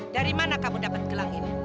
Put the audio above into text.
dari mana kamu dapat gelang ini